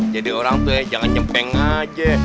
jadi orang tuh ya jangan nyempeng aja